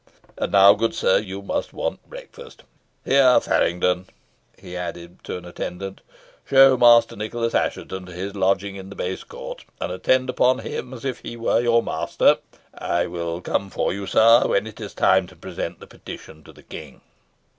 And now, good sir, you must want breakfast. Here Faryngton," he added to an attendant, "show Master Nicholas Assheton to his lodging in the base court, and attend upon him as if he were your master. I will come for you, sir, when it is time to present the petition to the King."